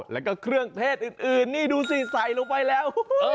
แล้วก็เครื่องเทศอื่นนี่ดูสิใส่ลงไปแล้ว